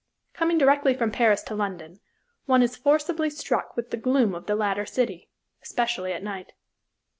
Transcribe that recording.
Coming directly from Paris to London, one is forcibly struck with the gloom of the latter city, especially at night.